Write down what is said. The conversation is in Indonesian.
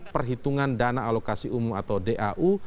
perhitungan dana alokasi umum atau dau